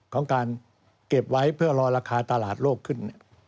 ของการเก็บไว้เพื่อรอราคาตลาดโลกขึ้น